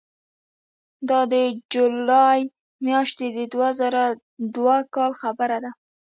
دا د جولای میاشتې د دوه زره دوه کاله خبره ده.